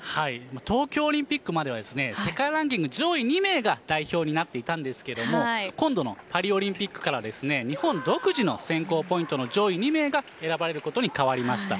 東京オリンピックまでは世界ランキング上位２名が代表になっていたんですが今度のパリオリンピックから日本独自の選考ポイントの上位２名が選ばれることに変わりました。